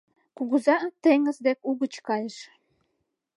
Кугыза теҥыз дек угыч кайыш;